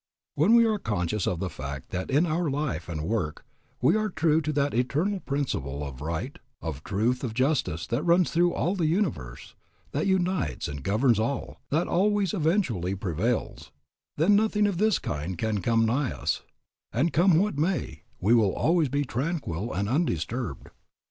When we are conscious of the fact that in our life and our work we are true to that eternal principle of right, of truth, of justice that runs through all the universe, that unites and governs all, that always eventually prevails, then nothing of this kind can come nigh us, and come what may we will always be tranquil and undisturbed.